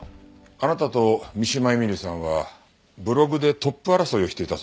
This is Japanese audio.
あなたと三島絵美里さんはブログでトップ争いをしていたそうですね。